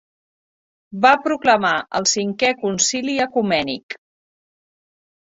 Va proclamar el Cinquè Concili Ecumènic.